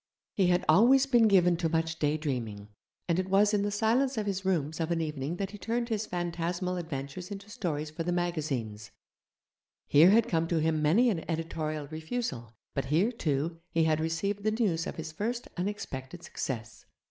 He had always been given to much daydreaming, and it was in the silence of his rooms of an evening that he turned his phantasmal adventures into stories for the magazines; here had come to him many an editorial refusal, but here, too, he had received the news of his first unexpected success.